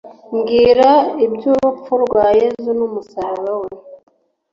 Mbwira iby’urupfu rwa yesu n’umusaraba we